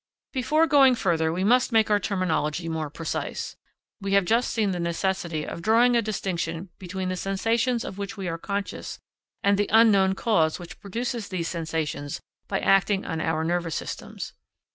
Before going further, we must make our terminology more precise. We have just seen the necessity of drawing a distinction between the sensations of which we are conscious and the unknown cause which produces these sensations by acting on our nervous systems.